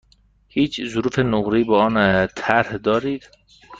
هیچ ظروف نقره ای با آن طرح دارید؟